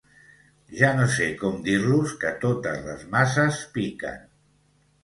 Ja no sé com dir-los que totes les masses piquen.